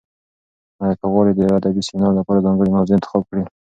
ایا ته غواړې د یو ادبي سیمینار لپاره ځانګړې موضوع انتخاب کړې؟